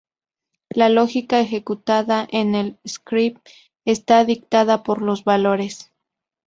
La lógica ejecutada en el script está dictada por los valores.